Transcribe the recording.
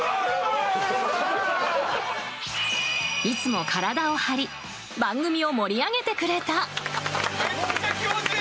いつも体を張り番組を盛り上げてくれた。